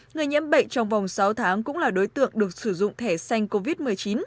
người nhiễm bệnh trong vòng sáu tháng cũng là đối tượng được sử dụng thẻ xanh covid một mươi chín